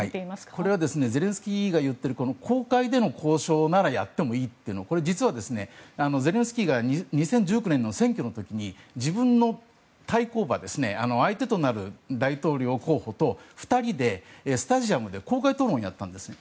これはゼレンスキーが言っている公開での交渉ならやってもいいというのはゼレンスキーが、２０１９年の選挙の時に、自分の対抗馬相手となる大統領候補と２人でスタジアムで公開討論をやったんです。